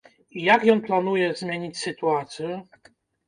І як ён плануе змяніць сітуацыю?